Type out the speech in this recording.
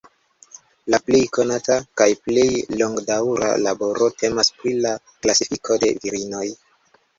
La plej konata kaj plej longdaŭra laboro temas pri la klasifiko de virinoj.